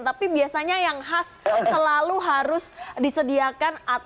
tapi biasanya yang khas selalu harus disediakan